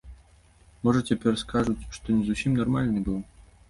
Можа, цяпер скажуць, што не зусім нармальны быў?